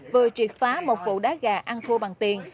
vừa triệt phá một vụ đá gà ăn thua bằng tiền